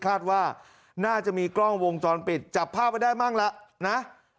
คาดว่าน่าจะมีกล้องวงจรปิดจับภาพไว้ได้มั่งแล้วนะ